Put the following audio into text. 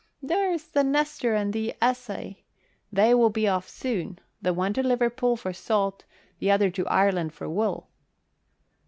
"There's the Nestor and the Essay. They will be off soon; the one to Liverpool for salt, t' other to Ireland for wool."